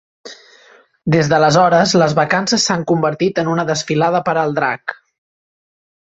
Des d'aleshores, les vacances s'han convertit en una desfilada per al drac.